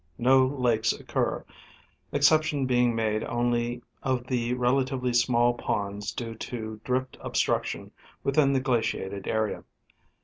No lakes occur, exception being made only of the relatively small ponds due to drift obstruction within the glaciated area.